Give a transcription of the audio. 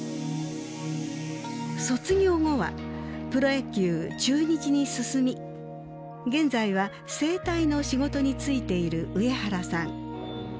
卒業後はプロ野球中日に進み現在は整体の仕事に就いている上原さん。